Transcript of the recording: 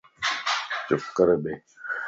چپ ڪري ٻي